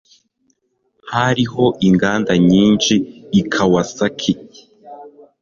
Hariho inganda nyinshi i Kawasaki.